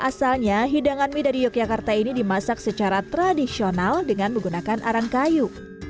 asalnya hidangan mie dari yogyakarta ini dimasak secara tradisional dengan menggunakan arang kayu